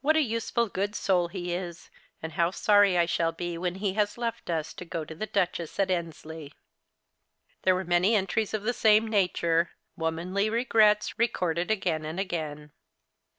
What a useful good soul he is, and how sorry I shall be when he has left us to go to the Duchess at Endsleiffh." The Christmas Hirelings. 41 There were many entries of the same nature — womanly regrets, recorded again and again.